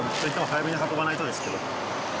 早めに運ばないとですけど。